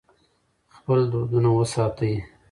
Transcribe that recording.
خپل دودونه وساتئ.